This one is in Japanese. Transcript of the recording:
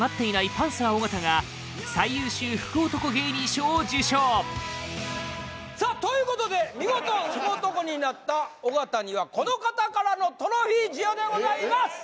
パンサー尾形が最優秀福男芸人賞を受賞さあということで見事福男になった尾形にはこの方からのトロフィー授与でございます